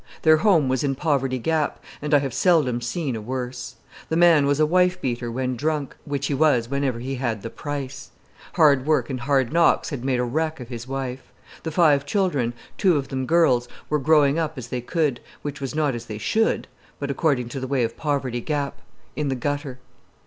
Their home was in Poverty Gap, and I have seldom seen a worse. The man was a wife beater when drunk, which he was whenever he had "the price." Hard work and hard knocks had made a wreck of his wife. The five children, two of them girls, were growing up as they could, which was not as they should, but according to the way of Poverty Gap: in the gutter.